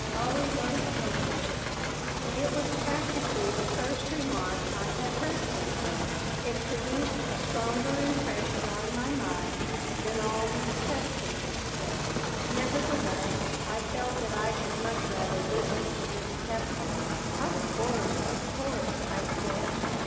Oh, those handkerchiefs!" It was practically the first remark I had heard from her. It produced a stronger impression on my mind than all Miss Tevkin had said. Nevertheless, I felt that I should much rather listen to Miss Tevkin "Of course, of course," I said.